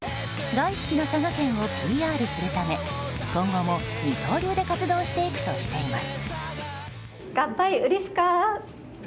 大好きな佐賀県をＰＲするため今後も二刀流で活動していくとしています。